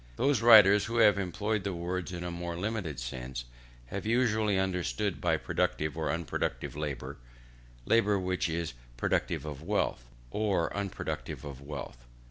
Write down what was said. Those writers who have employed the words in a more limited sense, have usually understood by productive or unproductive labour, labour which is productive of wealth, or unproductive of wealth.